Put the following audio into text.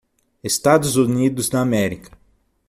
Estados Unidos da Ámerica.